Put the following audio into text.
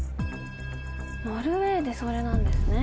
ノルウェーでそれなんですね。